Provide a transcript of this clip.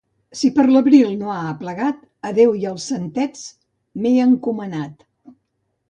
Si per l'abril no ha aplegat, a Déu i als santets m'he encomanat.